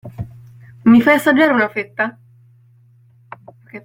Mi fai assaggiare una fetta?